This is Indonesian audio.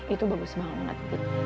itu bagus banget